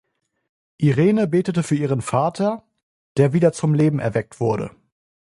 Irene betete für ihren Vater, der wieder zum Leben erweckt wurde.